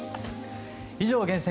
以上、厳選！